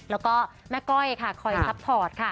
แล้วก็แม่ก้อยค่ะคอยซัพพอร์ตค่ะ